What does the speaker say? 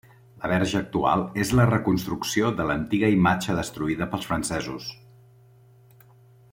La Verge actual és la reconstrucció de l'antiga imatge destruïda pels francesos.